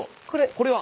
これは？